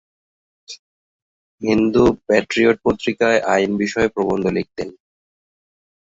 Hindu Patriot পত্রিকায় আইন বিষয়ে প্রবন্ধ লিখতেন।